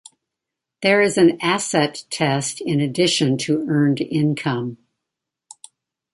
There is an asset test in addition to earned income.